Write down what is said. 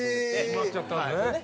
決まっちゃったんだよね。